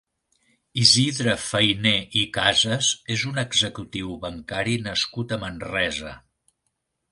Isidre Fainé i Casas és un executiu bancari nascut a Manresa.